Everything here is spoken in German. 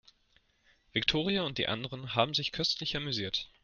Viktoria und die anderen haben sich köstlich amüsiert.